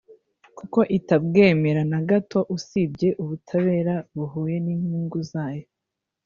kuko itabwemera na gato usibye ubutabera buhuye n’inyungu zayo